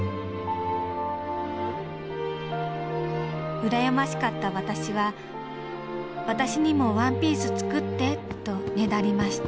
うらやましかった私は「私にもワンピース作って！」とねだりました